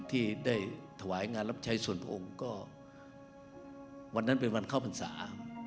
ที่ได้ถวายงานรับใช้ส่วนพระองค์ก็วันนั้นเป็นวันเข้าพรรษา